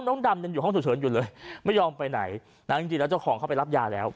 ดำยังอยู่ห้องฉุกเฉินอยู่เลยไม่ยอมไปไหนนะจริงแล้วเจ้าของเขาไปรับยาแล้ว